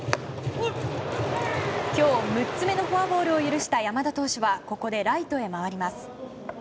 今日６つ目のフォアボールを許した山田投手はここでライトへ回ります。